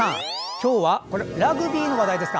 今日はラグビーの話題ですか。